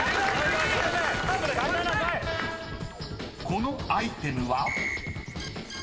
［このアイテムは？］